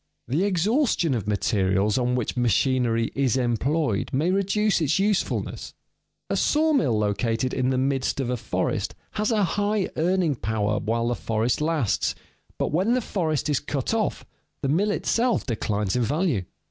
_ The exhaustion of materials on which machinery is employed may reduce its usefulness. A sawmill located in the midst of a forest has a high earning power while the forest lasts, but when the forest is cut off the mill itself declines in value.